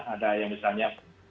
ada yang misalnya